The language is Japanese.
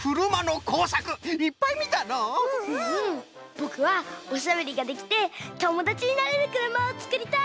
ぼくはおしゃべりができてともだちになれるくるまをつくりたい！